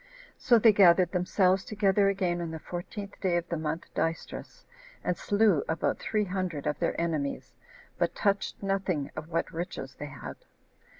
So they gathered themselves together again on the fourteenth day of the month Dystrus, and slew about three hundred of their enemies, but touched nothing of what riches they had.